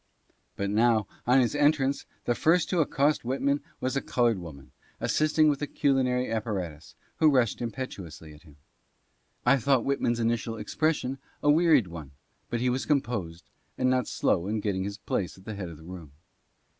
But now, on his entrance, the first to accost Whitman was a col ored woman, assisting with the culinary apparatus, who rushed impetuously at him. I thought Whitman's initial expression a wearied one, but he was composed, and not slow in getting his place at the head of the room.